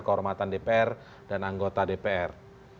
kehormatan dpr dan anggota dpr